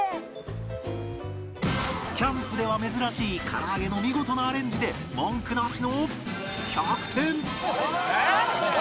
キャンプでは珍しい唐揚げの見事なアレンジで文句なしの１００点！